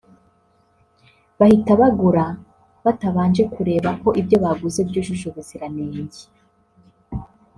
bahita bagura batabanje kureba ko ibyo baguze byujuje ubuziranenge